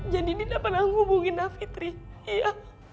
jadi dinda pernah menghubungi nafitri iya